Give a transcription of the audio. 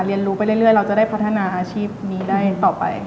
เรียนรู้ไปเรื่อยเราจะได้พัฒนาอาชีพนี้ได้ต่อไป